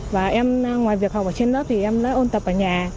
và em ngoài việc học ở trên lớp thì em đã ôn tập ở nhà